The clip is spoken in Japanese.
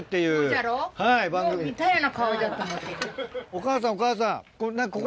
お母さんお母さん。